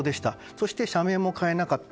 そして、社名も変えなかった。